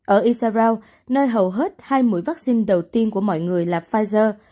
ở isarau nơi hầu hết hai mũi vaccine đầu tiên của mọi người là pfizer